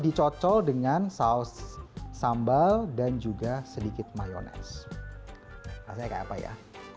dicocol dengan saus sambal dan juga sedikit mayonese rasanya kayak apa ya